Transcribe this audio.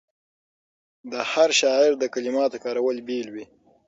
د هر شاعر د کلماتو کارول بېل وي.